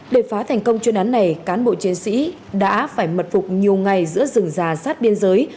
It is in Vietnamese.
để phá thành công chuyên án này cán bộ chiến sĩ đã phải mật phục nhiều ngày giữa rừng già sát biên giới